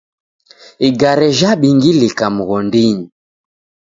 Igare jhabingilika mghondinyi